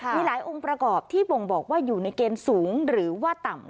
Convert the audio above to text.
มีหลายองค์ประกอบที่บ่งบอกว่าอยู่ในเกณฑ์สูงหรือว่าต่ำ